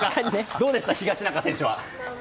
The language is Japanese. どうでしたか、東中選手は。